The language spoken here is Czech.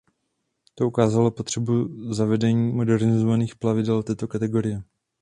To ukázalo potřebu zavedení modernizovaných plavidel této kategorie.